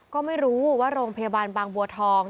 ก็ไม่รู้ว่าโรงพยาบาลบางบัวทอง